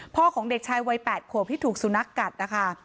พ่อของเด็กชายวัยแปดผัวพิษถูกสุนัขกัดนะคะ